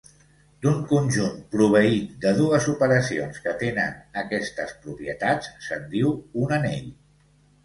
D'un conjunt proveït de dues operacions que tenen aquestes propietats se'n diu un anell.